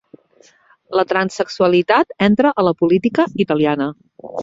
La transsexualitat entra a la política italiana